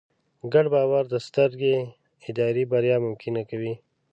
ګډ باور د سترې ادارې بریا ممکنه کوي.